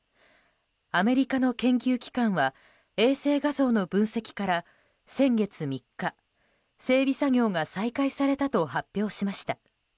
アメリカの研究機関は衛星画像の分析から先月３日整備作業が再開されたと発表しました。